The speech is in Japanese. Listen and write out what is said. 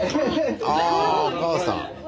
あお母さん。